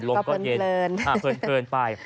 ลงก็เย็นเคิ้นไป